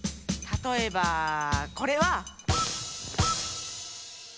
たとえばこれは。